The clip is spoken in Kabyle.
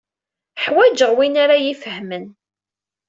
Ḥwajeɣ win ara iyi-ifehmen.